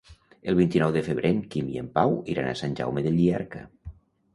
El vint-i-nou de febrer en Quim i en Pau iran a Sant Jaume de Llierca.